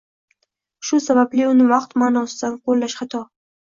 Shu sababli uni vaqt maʼnosida qoʻllash xato